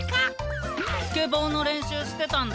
スケボーのれんしゅうしてたんだ。